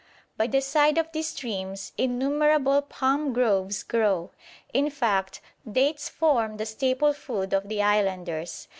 By the side of these streams innumerable palm groves grow in fact, dates form the staple food of the islanders.